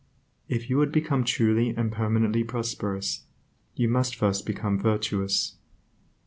If you would become truly and permanently prosperous, you must first become virtuous.